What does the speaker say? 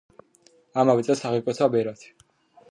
ამავე წელს აღიკვეცა ბერად.